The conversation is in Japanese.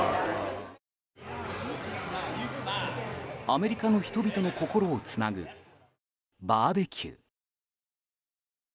アメリカの人々の心をつなぐバーベキュー。